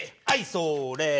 はい、それ！